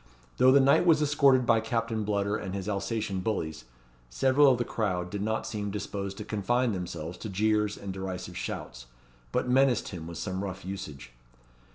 Though the knight was escorted by Captain Bludder and his Alsatian bullies, several of the crowd did not seem disposed to confine themselves to jeers and derisive shouts, but menaced him with some rough usage.